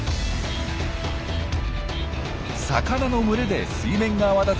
魚の群れで水面が泡立つ